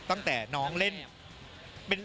ตั้งแต่น้องเล่น